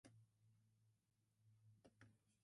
In revenge, Heracles fed Diomedes alive to his own mares.